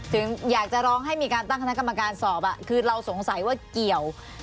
ถึงอยากจะร้องให้มีการตั้งคณะกรรมการสอบคือเราสงสัยว่าเกี่ยว